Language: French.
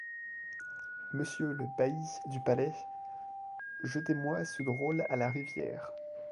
Monsieur le bailli du Palais, jetez-moi ce drôle à la rivière!